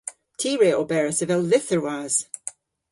Ty re oberas avel lytherwas.